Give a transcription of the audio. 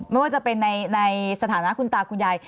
ไม่ว่าจะเป็นในสถานะคุณตาคุณยาย